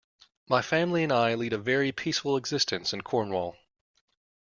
My family and I lead a very peaceful existence in Cornwall.